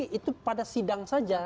itu pada sidang saja